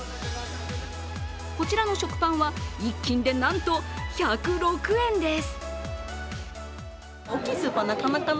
こちらの食パンは、１斤でなんと１０６円です。